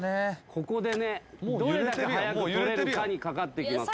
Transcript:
ここでねどれだけはやく取れるかにかかってきますよ